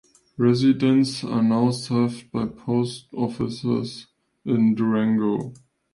Residents are now served by post offices in Durango.